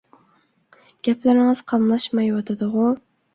گەپلىرىڭىز قاملاشمايۋاتىدىغۇ!